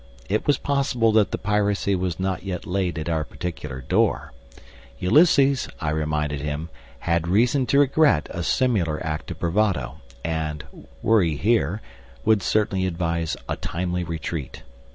It was possible that the piracy was not yet laid at our particular door: Ulysses, I reminded him, had reason to regret a similar act of bravado, and were he here would certainly advise a timely retreat.